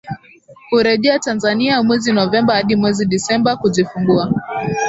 hurejea Tanzania mwezi Novemba hadi mwezi Desemba kujifungua